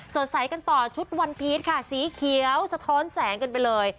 สดใสกันต่อชุดวันพีชค่ะสีเขียวสะท้อนแสงกันไปเลย